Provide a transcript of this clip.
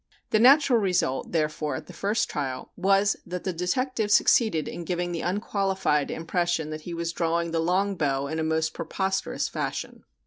The natural result, therefore, at the first trial, was that the detective succeeded in giving the unqualified impression that he was drawing the long bow in a most preposterous fashion.